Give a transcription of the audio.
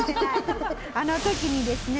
あの時にですね